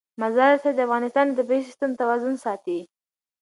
مزارشریف د افغانستان د طبعي سیسټم توازن ساتي.